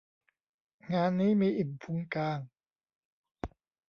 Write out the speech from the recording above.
งานนี้มีอิ่มพุงกาง